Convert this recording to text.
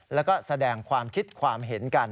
แล้วก็แสดงความคิดความเห็นกัน